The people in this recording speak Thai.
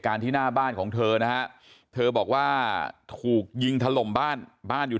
ที่หน้าบ้านของเธอนะฮะเธอบอกว่าถูกยิงถล่มบ้านบ้านอยู่